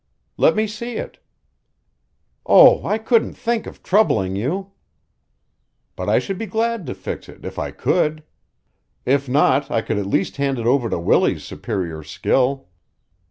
"Let me see it." "Oh, I couldn't think of troubling you." "But I should be glad to fix it if I could. If not, I could at least hand it over to Willie's superior skill."